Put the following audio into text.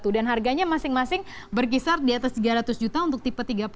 dan harganya masing masing berkisar di atas tiga ratus juta untuk tipe tiga puluh enam